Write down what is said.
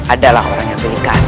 adalah orang yang pilih kasih